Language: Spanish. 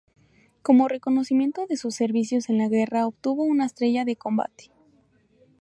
Como reconocimiento de sus servicios en la guerra obtuvo una estrella de combate.